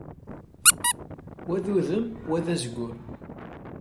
Wa d udem, wa d azgur.